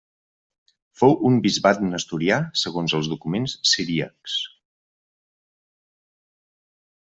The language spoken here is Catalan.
Fou un bisbat nestorià segons els documents siríacs.